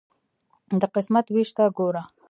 د قسمت ویش ته ګوره.